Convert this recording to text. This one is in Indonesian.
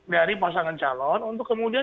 dari pasangan calon untuk kemudian